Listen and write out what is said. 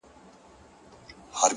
عاجزي د درناوي تخم کرل دي.